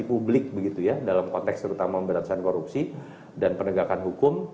jadi publik begitu ya dalam konteks terutama pemberantasan korupsi dan penegakan hukum